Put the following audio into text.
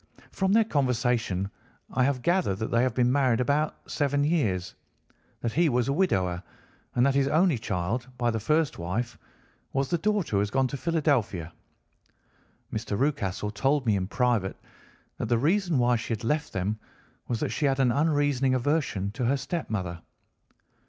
From their conversation I have gathered that they have been married about seven years, that he was a widower, and that his only child by the first wife was the daughter who has gone to Philadelphia. Mr. Rucastle told me in private that the reason why she had left them was that she had an unreasoning aversion to her stepmother.